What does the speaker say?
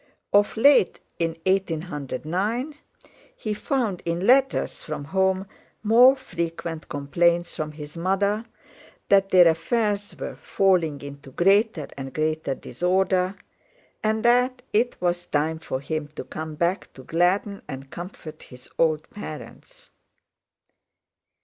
Of late, in 1809, he found in letters from home more frequent complaints from his mother that their affairs were falling into greater and greater disorder, and that it was time for him to come back to gladden and comfort his old parents.